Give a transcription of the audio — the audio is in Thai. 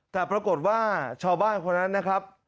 แต่ปรากฏว่าชาวบ้านคนนั้นนะครับ